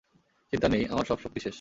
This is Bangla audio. চিন্তা নেই, আমার সব শক্তি শেষ।